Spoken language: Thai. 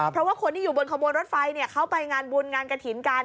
เพราะว่าคนที่อยู่บนขบวนรถไฟเขาไปงานบุญงานกระถิ่นกัน